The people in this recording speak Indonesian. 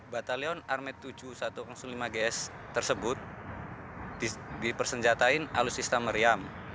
batalion armada tujuh satu ratus lima gs tersebut dipersenjatakan alutsista meriam